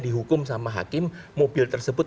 dihukum sama hakim mobil tersebut